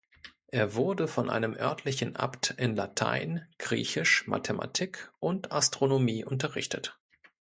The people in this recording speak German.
Er wurde von einem örtlichen Abt in Latein, Griechisch, Mathematik und Astronomie unterrichtet.